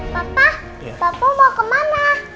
papa papa mau kemana